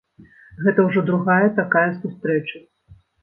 Гэта ўжо другая такая сустрэча.